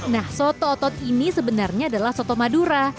nah soto otot ini sebenarnya adalah soto madura